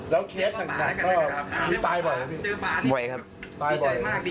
แล้วแคสต์หนังหนังก็มีตายบ่อยหรือพี่